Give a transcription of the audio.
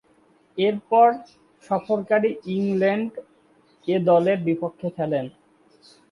এরপর সফরকারী England A দলের বিপক্ষে খেলেন।